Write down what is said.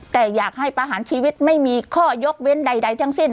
แต่อยากให้ประหารชีวิตไม่มีข้อยกเว้นใดทั้งสิ้น